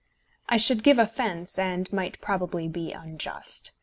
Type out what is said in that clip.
I should give offence, and might probably be unjust.